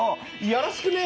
よろしくね。